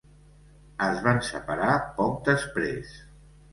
Es van separar poc després.